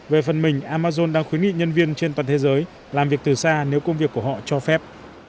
về phần mình amazon đang khuyến nghị nhân viên trên toàn thế giới làm việc từ xa nếu công việc của họ cho phép